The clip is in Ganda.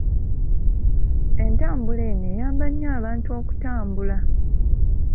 Entambula eno eyamba nnyo abantu okutambula.